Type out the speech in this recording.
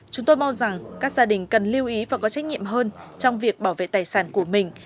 chúng tôi mong rằng các gia đình cần lưu ý và có trách nhiệm hơn trong việc bảo vệ tài sản của mình